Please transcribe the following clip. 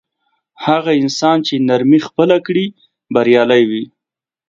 هغه انسان نرمي خپله کړي بریالی وي.